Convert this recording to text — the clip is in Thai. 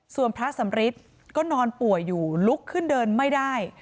ส่วนพระสำริทก็นอนป่วยอยู่ลุกขึ้นเดินไม่ได้